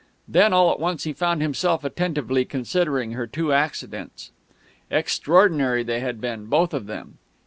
Then all at once he found himself attentively considering her two accidents. Extraordinary they had been, both of them.